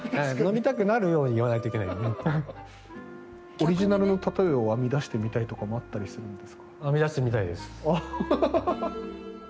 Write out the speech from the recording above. オリジナルの例えを編み出してみたいとかもあったりするんですか？